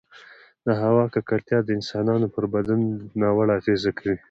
د هـوا ککـړتيـا د انسـانـانو پـر بـدن نـاوړه اغـېزه کـوي